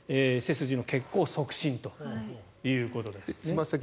背筋の血行を促進ということです。